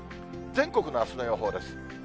全国のあすの予報です。